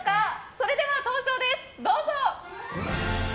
それでは登場です、どうぞ！